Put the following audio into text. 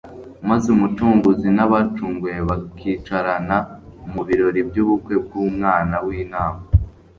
maze Umucunguzi n’abacunguwe bakicarana mu birori by’ubukwe bw’umwana w’intama.